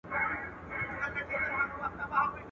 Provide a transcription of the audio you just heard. o په ډېرو ئې لېوني خوشاله کېږي.